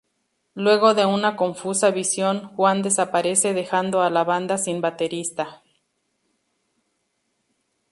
Luego de una confusa visión, Juan desaparece, dejando a la banda sin baterista.